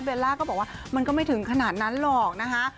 ล่าก็บอกว่ามันก็ไม่ถึงขนาดนั้นหรอกนะคะ